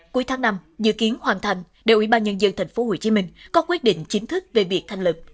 cuối tháng năm dự kiến hoàn thành đội ủy ban nhân dân tp hcm có quyết định chính thức về việc thành lập